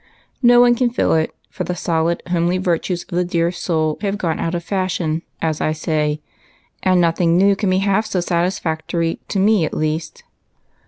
No one can fill it, for the solid, homely virtues of the dear soul have gone out of fashion, as I say, and nothing new can be half so satisfactory, to me at least."